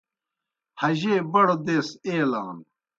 حجے بڑوْ دیس ایلانوْ۔